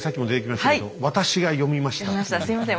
すみません。